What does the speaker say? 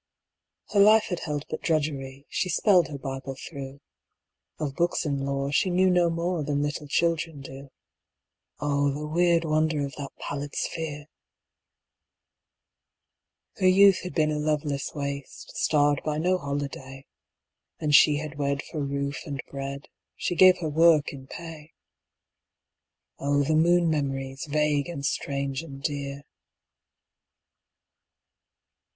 Her life had held but drudgery She spelled her Bible thro'; Of books and lore she knew no more Than little children do. (Oh! the weird wonder of that pallid sphere.) Her youth had been a loveless waste, Starred by no holiday. And she had wed for roof, and bread; She gave her work in pay. (Oh! the moon memories, vague and strange and dear.)